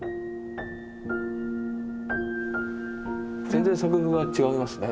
全然作風は違いますね。